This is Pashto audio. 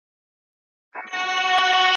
سلامۍ ته را روان یې جنرالان وه